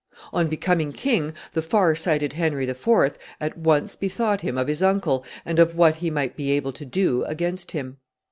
On becoming king, the far sighted Henry IV. at once bethought him of his uncle and of what he might be able to do against him.